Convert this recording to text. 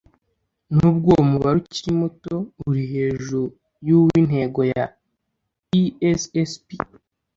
n’ubwo uwo mubare ukiri muto uri hejuru y’uw’intego ya essp